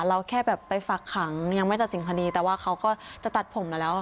แค่แบบไปฝากขังยังไม่ตัดสินคดีแต่ว่าเขาก็จะตัดผมมาแล้ว